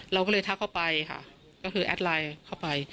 เราก็เลยทักเข้าไปค่ะก็คือแอดไลน์เข้าไป